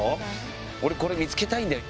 俺これ見つけたいんだよ。